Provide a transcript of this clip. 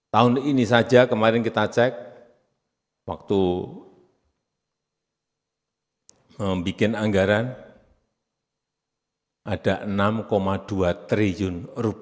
tahun ini saja kemarin kita cek waktu membuat anggaran ada rp enam dua triliun